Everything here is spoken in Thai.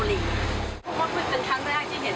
ด้วยรถติดแอร์นะครับ